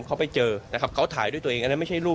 เขาไปเจอนะครับเขาถ่ายด้วยตัวเองอันนั้นไม่ใช่รูป